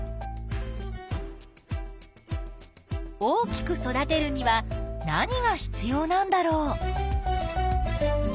大きく育てるには何が必要なんだろう？